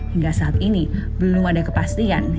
hingga saat ini belum ada kepastian